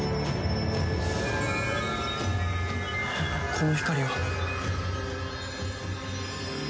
この光は。